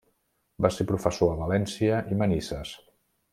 Va ser professor a València i Manises.